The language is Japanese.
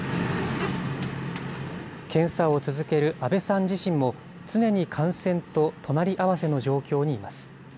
検査を続ける阿部さん自身も、常に感染と隣り合わせの状況にいます。